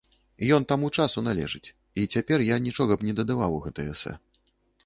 Ён таму часу належыць, і цяпер я нічога б не дадаваў у гэтае эсэ.